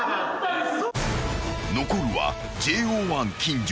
［残るはＪＯ１金城。